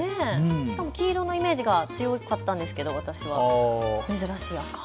しかも黄色のイメージが強かったんですけど珍しい赤。